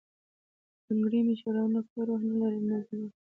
بنګړي مي شورنه کوي، روح نه لری، نه ځلیږي